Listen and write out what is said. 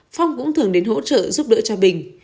phong cũng thường đến hỗ trợ giúp đỡ cho bình